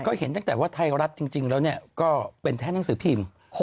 ก็เห็นตั้งแต่ว่าไทยรัฐจริงแล้วก็เป็นแท่นังสือทีม